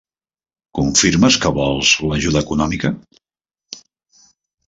Confirmes que vols l'ajuda econòmica?